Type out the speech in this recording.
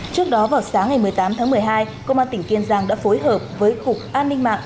trước đó vào sáng ngày một mươi tám tháng một mươi hai công an tỉnh kiên giang đã phối hợp với cục an ninh mạng